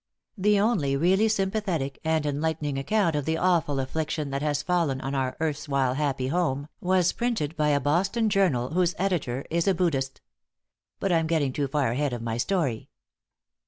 The only really sympathetic and enlightening account of the awful affliction that has fallen on our erstwhile happy home was printed by a Boston journal whose editor is a Buddhist. But I'm getting too far ahead of my story!